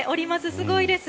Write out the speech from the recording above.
すごいです。